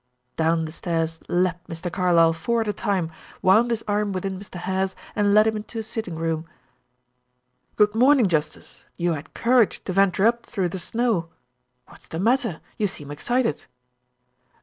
Down the stairs leaped Mr. Carlyle, four at a time, wound his arm within Mr. Hare's, and led him to a sitting room. "Good morning, justice. You had courage to venture up through the snow! What is the matter, you seem excited."